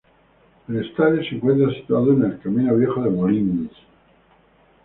El estadio se encuentra situado en el Camino Viejo de Molins.